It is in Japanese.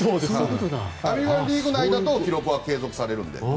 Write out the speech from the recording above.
同じリーグ内だと記録は継続されるので。